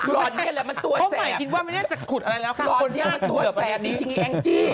รอดนี้แหละมันตัวแสบรอดนี้มันตัวแสบนี้จริงแอ้งจี้